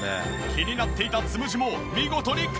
気になっていたつむじも見事にカバー！